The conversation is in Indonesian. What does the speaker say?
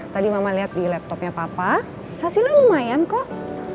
tadi mama lihat di laptopnya papa hasilnya lumayan kok